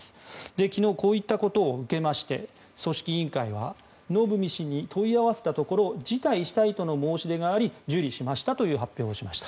昨日、こういったことを受けて組織委員会はのぶみ氏に問い合わせたところ辞退したいとの申し出があり受理しましたという発表をしました。